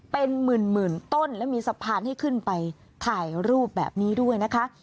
เป็นหมื่นต้นและมีสะพานให้ขึ้นไปถ่ายรูปแบบนี้ด้วยนะคะ